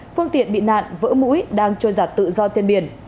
phương tiện bị nạn vỡ mũi đang trôi giặt tự do trên biển